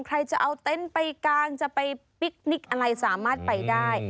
ใครจะเอาเต็นต์ไปกางจะไปปิ๊กนิกอะไรสามารถไปได้